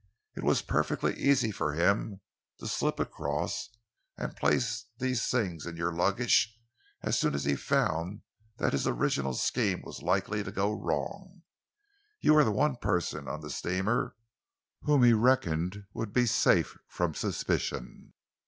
It was perfectly easy for him to slip across and place these things in your luggage as soon as he found that his original scheme was likely to go wrong. You were the one person on the steamer whom he reckoned would be safe from suspicion.